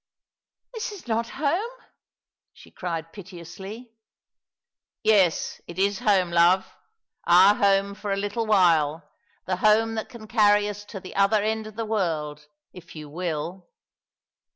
I " This is not home I " she cried piteonsly. •" Yes, it is home, ioye, our home for a little while — the tome that can carry ns to the other end of the world, if yon will."